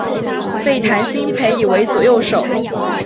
被谭鑫培倚为左右手。